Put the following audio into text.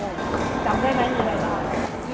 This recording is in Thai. จำได้ไหมอยู่ไหน